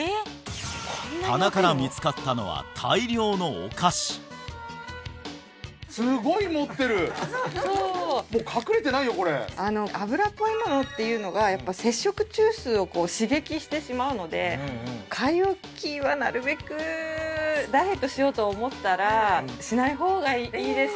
棚から見つかったのは大量のお菓子すごい持ってる油っぽいものっていうのが摂食中枢を刺激してしまうので買い置きはなるべくダイエットしようと思ったらしない方がいいですね